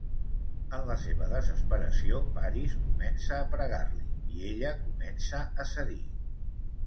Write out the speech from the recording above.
En la seva desesperació, Paris comença a pregar-li, i ella comença a cedir.